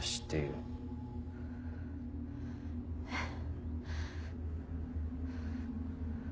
えっ？